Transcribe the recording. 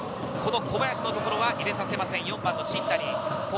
小林のところは入れさせません、４番の新谷。